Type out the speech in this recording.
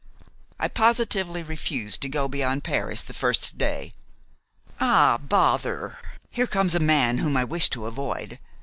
I positively refuse to go beyond Paris the first day. Ah, bother! Here comes a man whom I wish to avoid.